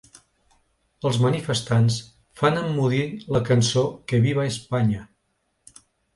Els manifestants fan emmudir la cançó ‘Que viva Espanya’